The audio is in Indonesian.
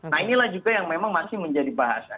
nah inilah juga yang memang masih menjadi bahasa